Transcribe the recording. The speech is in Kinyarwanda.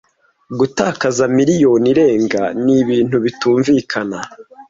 gutakaza miliyoni irenga nibintu bitumvikana